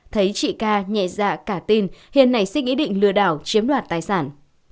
thấy chị ca nhẹ dạ cả tin hiền này xích ý định lừa đảo chiếm đoạt tài sản